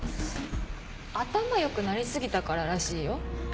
頭良くなり過ぎたかららしいよ。